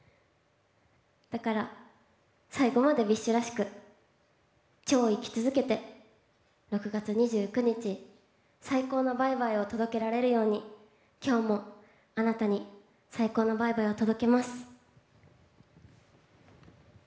だから、最後までＢｉＳＨらしく今日を生き続けて６月２９日、最高のバイバイを届けられるように今日も、あなたに最高のバイバイを届けます。